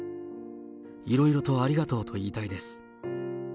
いろいろとありがとうと言いたいです。